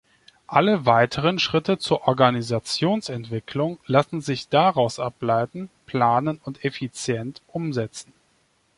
Alle weiteren Schritte zur Organisationsentwicklung lassen sich daraus ableiten, planen und effizient umsetzen.